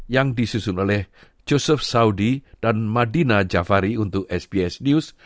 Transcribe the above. yang disusun oleh joseph saudi dan madina jafari untuk sbs news